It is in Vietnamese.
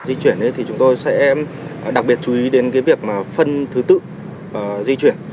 di chuyển thì chúng tôi sẽ đặc biệt chú ý đến cái việc mà phân thứ tự và di chuyển